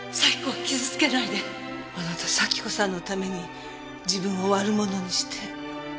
あなた咲子さんのために自分を悪者にして。